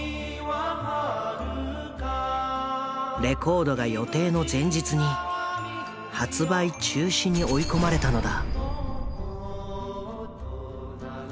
レコードが予定の前日に発売中止に追い込まれたのだ。